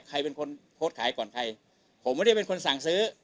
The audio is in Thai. ใครเป็นคนโพสต์ขายก่อนใครผมไม่ได้เป็นคนสั่งซื้อ